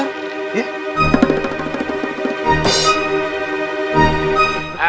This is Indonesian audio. oh ya ini cepetan